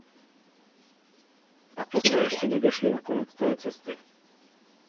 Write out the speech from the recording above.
A to jsme ještě nedošli na konec té cesty.